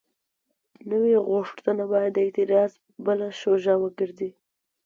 نوې غوښتنه باید د اعتراض بله سوژه وګرځي.